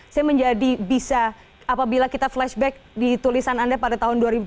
saya menjadi bisa apabila kita flashback di tulisan anda pada tahun dua ribu tujuh belas